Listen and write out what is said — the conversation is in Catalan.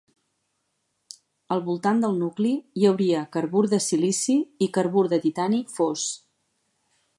Al voltant del nucli hi hauria carbur de silici i carbur de titani fos.